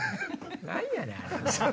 何やねん！